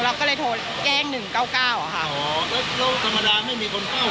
เราก็เลยโทรแจ้งหนึ่งเก้าเก้าอ่ะค่ะอ๋อแล้วธรรมดาไม่มีคนเข้า